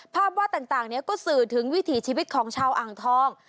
ภาพวาดต่างนี้ก็สื่อถึงวิถีชีวิตของชาวอ่างทอง